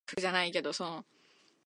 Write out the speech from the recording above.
浜名湖の鰻は美味しかったな